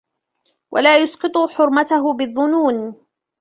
وَلَا يُسْقِطُ حُرْمَتَهُ بِالظُّنُونِ